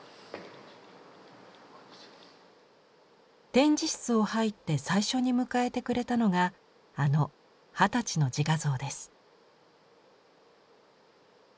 展示室を入って最初に迎えてくれたのがあの二十歳の自画像です。